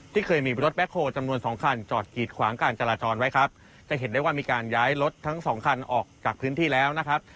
เคยมีรถแคลจำนวนสองคันจอดกีดขวางการจราจรไว้ครับจะเห็นได้ว่ามีการย้ายรถทั้งสองคันออกจากพื้นที่แล้วนะครับ